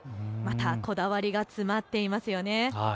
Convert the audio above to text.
こだわりが詰まっていますよね。